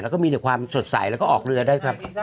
แล้วก็มีแต่ความสดใสแล้วก็ออกเรือได้ครับ